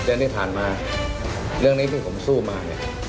แต่ที่ผ่านมาเรื่องนี้ที่ผมสู้มาเนี่ย